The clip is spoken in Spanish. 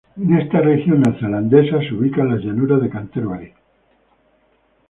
En esta región neozelandesa se ubican las Llanuras de Canterbury.